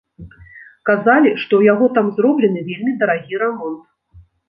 Казалі, што ў яго там зроблены вельмі дарагі рамонт.